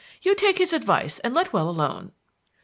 You take his advice and let well alone."